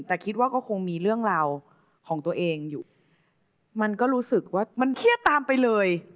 แต่คิดว่าก็คงมีเรื่องราวของตัวเองอยู่มันก็รู้สึกว่ามันเครียดตามไปเลย